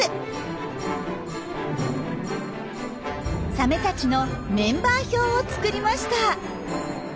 サメたちのメンバー表を作りました。